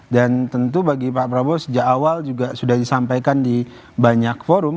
dan tentu bagi pak prabowo sejak awal juga sudah disampaikan di banyak forum